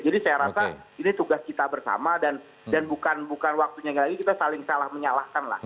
jadi saya rasa ini tugas kita bersama dan bukan waktunya ini kita saling salah menyalahkan lah